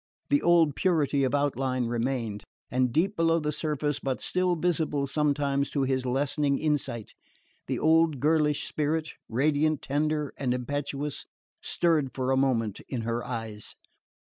The old purity of outline remained; and deep below the surface, but still visible sometimes to his lessening insight, the old girlish spirit, radiant, tender and impetuous, stirred for a moment in her eyes.